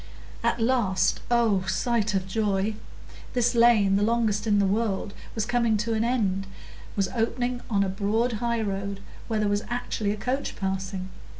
At last—oh, sight of joy!—this lane, the longest in the world, was coming to an end, was opening on a broad highroad, where there was actually a coach passing!